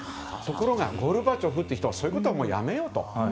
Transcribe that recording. ところがゴルバチョフという人はそういうことはもうやめようと。